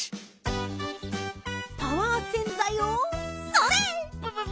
パワー洗ざいをそれっ！